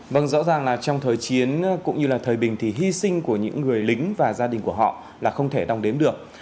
vâng rõ ràng là trong thời chiến cũng như là thời bình thì hy sinh của những người lính và gia đình của họ là không thể đong đếm được